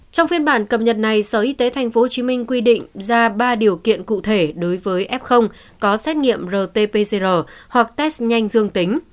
trong phiên bản cập nhật này sở y tế tp hcm quy định ra ba điều kiện cụ thể đối với f có xét nghiệm rt pcr hoặc test nhanh dương tính